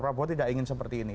prabowo tidak ingin seperti ini